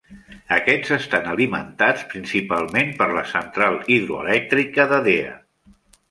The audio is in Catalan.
Aquests estan alimentats principalment per la Central Hidroelèctrica d'Edea.